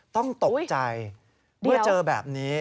ต้องตกใจเมื่อเจอแบบนี้